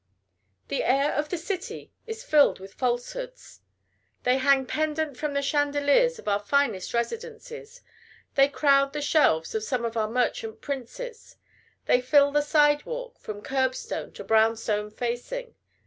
The air of the city is filled with falsehoods. They hang pendent from the chandeliers of our finest residences; they crowd the shelves of some of our merchant princes; they fill the side walk from curb stone to brown stone facing.